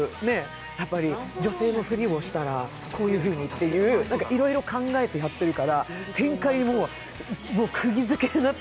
やっぱり女性のふりをしたらこういうふうにっていう、いろいろ考えてやっているから、展開もくぎづけになって。